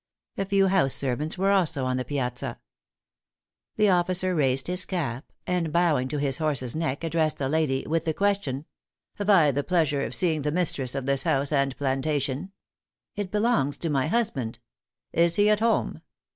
A few house servants were also on the piazza. The officer raised his cap, and bowing to his horse's neck, addressed the lady, with the question "Have I the pleasure of seeing the mistress of this house and plantation!" "It belongs to my husband." "Is he at home?"